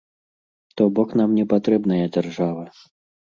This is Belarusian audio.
То бок нам не патрэбная дзяржава.